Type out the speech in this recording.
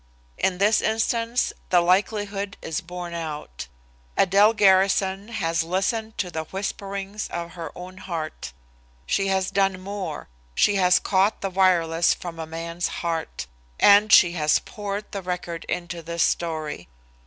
In this instance, the likelihood is borne out. Adele Garrison has listened to the whisperings of her own heart. She has done more. She has caught the wireless from a man's heart. And she has poured the record into this story.